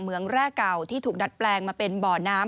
เมืองแรกเก่าที่ถูกดัดแปลงมาเป็นบ่อน้ำ